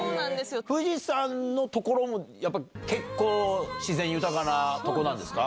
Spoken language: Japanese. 藤さんの所も、やっぱ結構自然豊かなとこなんですか。